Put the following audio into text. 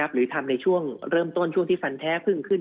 หรือทำในช่วงเริ่มต้นช่วงที่ฟันแท้เพิ่งขึ้น